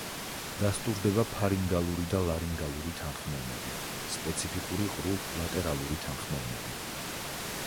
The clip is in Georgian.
დასტურდება ფარინგალური და ლარინგალური თანხმოვნები, სპეციფიკური ყრუ ლატერალური თანხმოვნები.